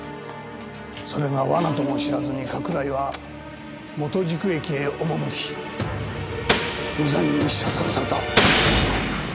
それが罠とも知らずに加倉井は本宿駅へ赴き無残に射殺された。